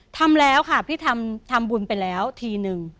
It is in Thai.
ทำแล้วค่ะพี่ทำบุญไปแล้วทีนึง